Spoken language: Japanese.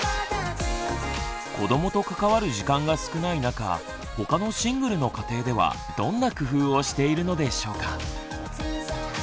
子どもと関わる時間が少ない中他のシングルの家庭ではどんな工夫をしているのでしょうか。